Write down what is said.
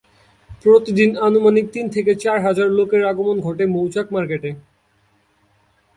প্রতিদিন আনুমানিক তিন থেকে চার হাজার লোকের আগমন ঘটে মৌচাক মার্কেটে।